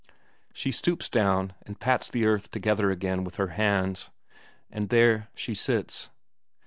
She stoops down and pats the earth together again with her hands. And there she sits.